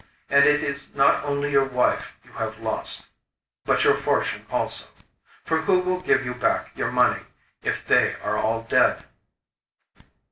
And it is not only your wife you have lost, but your fortune also. For who will give you back your money if they are all dead?